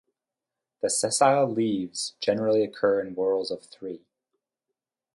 The sessile leaves generally occur in whorls of three.